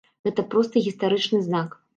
Гэта проста гістарычны знак.